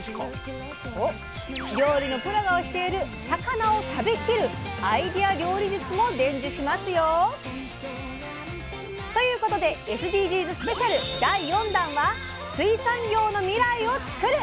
料理のプロが教える魚を食べきるアイデア料理術も伝授しますよ。ということでＳＤＧｓスペシャル第４弾は水産業の未来をつくる！